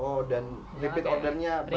oh dan repeat order nya banyak